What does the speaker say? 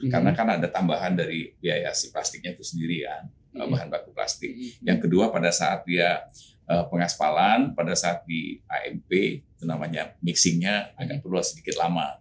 karena kan ada tambahan dari biaya si plastiknya itu sendiri ya bahan baku plastik yang kedua pada saat dia pengaspalan pada saat di amp itu namanya mixingnya agak perlu sedikit lama